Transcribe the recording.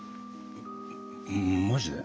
マジで？